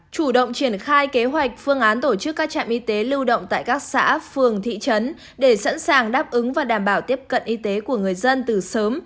chủ động triển khai kế hoạch phương án tổ chức các trạm y tế lưu động tại các xã phường thị trấn để sẵn sàng đáp ứng và đảm bảo tiếp cận y tế của người dân từ sớm